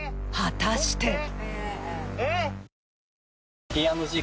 ［果たして］